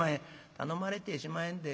「『頼まれてしまへん』て。